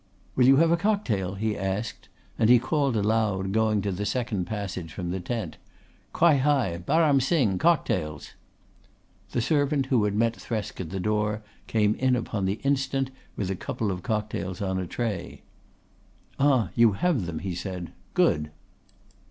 "Will you have a cocktail?" he asked, and he called aloud, going to the second passage from the tent: "Quai hai! Baram Singh, cocktails!" The servant who had met Thresk at the door came in upon the instant with a couple of cocktails on a tray. "Ah, you have them," he said. "Good!"